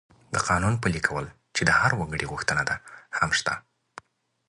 د قانون پلي کول چې د هر وګړي غوښتنه ده، هم شته.